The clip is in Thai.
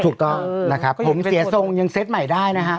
ถูกต้องนะครับผมเสียทรงยังเซตใหม่ได้นะฮะ